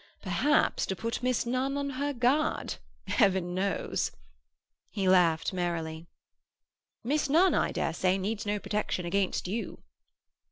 Perhaps to put Miss Nunn on her guard—Heaven knows!" He laughed merrily. "Miss Nunn, I dare say, needs no protection against you."